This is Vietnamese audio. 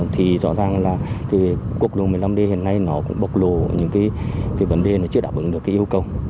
thì rõ ràng là quốc đường một mươi năm d hiện nay nó cũng bốc lộ những cái vấn đề nó chưa đảm ứng được cái yêu cầu